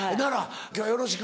今日はよろしく。